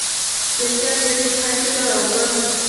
Ketgan yering qaysi joy, o’g’lim?